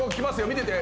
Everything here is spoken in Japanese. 見てて。